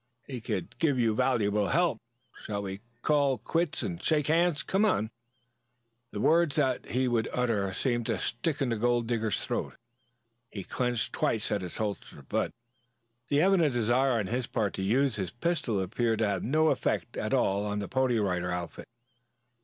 He could give you valuable help. Shall we call quits and shake hands? Come on." The words that he would utter seemed to stick in the gold digger's throat. He clutched twice at his holster, but the evident desire on his part to use his pistol appeared to have no effect at all on the Pony Rider outfit.